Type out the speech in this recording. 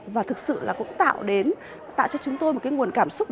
và thực sự là cũng tạo cho chúng tôi một nguồn cảm xúc